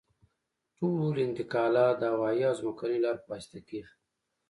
ټول انتقالات د هوایي او ځمکنیو لارو په واسطه کیږي